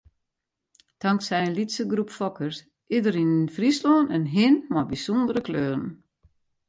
Tanksij in lytse groep fokkers is der yn Fryslân in hin mei bysûndere kleuren.